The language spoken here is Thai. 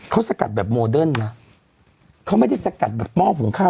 เขาสกัดแบบโมเดิร์นเนี้ยเขาไม่ได้สกัดแบบมอดผงค้า